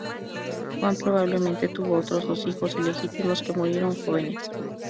Juan probablemente tuvo otros dos hijos ilegítimos, que murieron jóvenes.